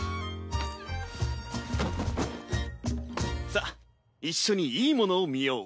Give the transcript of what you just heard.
さっ一緒にいいものを見よう。